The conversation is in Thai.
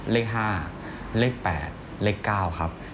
เลข๕เลข๘เลข๙